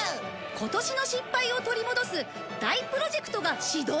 今年の失敗を取り戻す大プロジェクトが始動！？